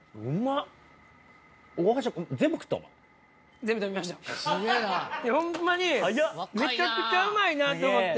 いやホンマにめちゃくちゃうまいなと思って。